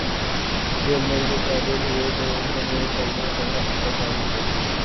بولنے کے قابل ہوئے تو انہوں نے کلمہ پڑھادیا